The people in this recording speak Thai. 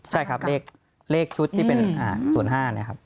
ใช่ครับเลขชุดที่เป็น๐๕เนี่ยครับ